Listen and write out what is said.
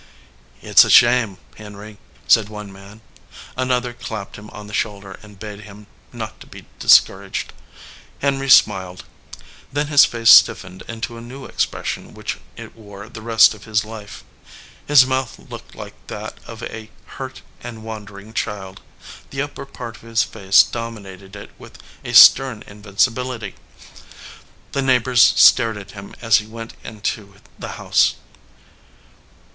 "It s a shame, Henry," said one man. Another clapped him on the shoulder and bade him not be discouraged. Henry smiled. Then his face stif fened into a new expression which it wore the rest of his life. His mouth looked like that of a hurt and wondering child ; the upper part of his face dominated it with a stern invincibility. The neigh bors stared at him as he went into the house.